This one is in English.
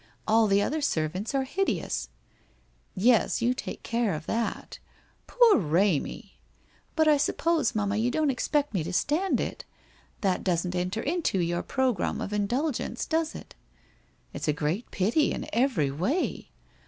All the other servants are hideous/ ' Yes, you take care of that. Poor Remy !'' But, I suppose, mamma, you don't expect me to stand it? That doesn't enter into your programme of indul gence, does it ?'' It's a great pity in every way.